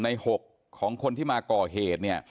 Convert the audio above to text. ใน๖ของคนที่มาก่อเหตุเนี่ย